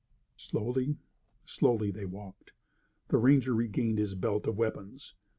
Slowly, slowly they walked. The ranger regained his belt of weapons.